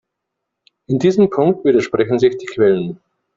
In diesem Punkt widersprechen sich die Quellen.